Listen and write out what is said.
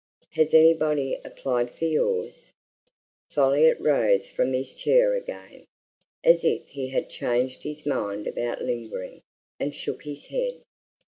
Has anybody applied for yours?" Folliot rose from his chair again, as if he had changed his mind about lingering, and shook his head.